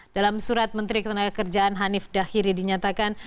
dalam surat menteri ketenagakerjaan hanif dahiri dinyatakan